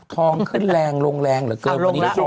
ทองขึ้นแรงลงแรงหรือเกินมานี้